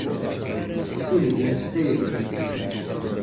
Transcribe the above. Tessuden-it s tayri.